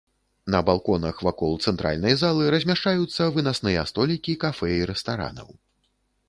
На балконах вакол цэнтральнай залы размяшчаюцца вынасныя столікі кафэ і рэстаранаў.